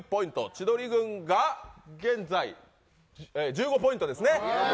千鳥軍が現在１５ポイントですね。